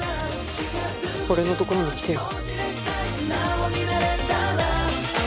俺のところに来てよ。